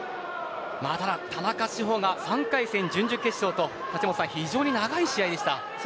田中志歩が３回戦、準々決勝と非常に長い試合でした。